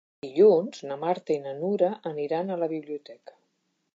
Dilluns na Marta i na Nura aniran a la biblioteca.